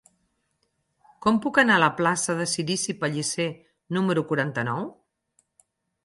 Com puc anar a la plaça de Cirici Pellicer número quaranta-nou?